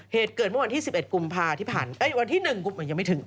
เหตุเกิดเมื่อวันที่สิบเอ็ดกลุ่มภาพที่ผ่านเอ้ยวันที่หนึ่งกลุ่มภาพยังไม่ถึง